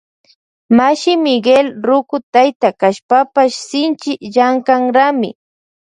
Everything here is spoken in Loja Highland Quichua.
Mashi Miguel ruku tayta kashpapash shinchi llankanrami.